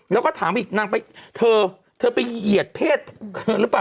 แล้วก็ถามอีกนางไปเธอเธอไปเหยียดเพศเธอหรือเปล่า